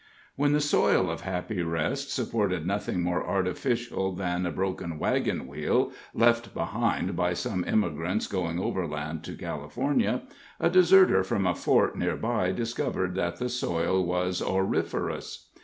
When the soil of Happy Rest supported nothing more artificial than a broken wagon wheel, left behind by some emigrants going overland to California, a deserter from a fort near by discovered that the soil was auriferous.